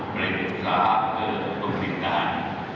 melayu perusahaan ke pemerintahan